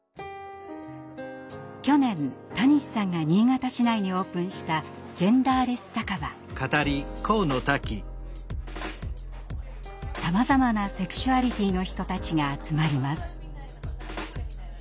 去年たにしさんが新潟市内にオープンしたさまざまなセクシュアリティーの人たちが集まります。